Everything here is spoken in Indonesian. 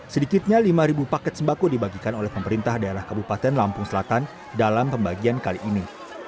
sedikitnya lima paket sembako dibagikan oleh pemerintah daerah kabupaten lampung selatan dalam pembagian kali ini